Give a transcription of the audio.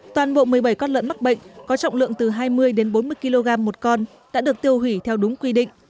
toàn bộ một mươi bảy con lợn mắc bệnh có trọng lượng từ hai mươi đến bốn mươi kg một con đã được tiêu hủy theo đúng quy định